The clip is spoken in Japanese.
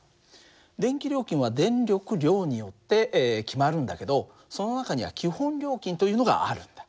電気料金は電力量によって決まるんだけどその中には基本料金というのがあるんだ。